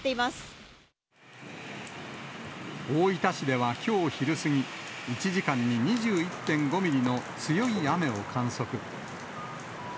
大分市ではきょう昼過ぎ、１時間に２１．５ミリの強い雨を観測。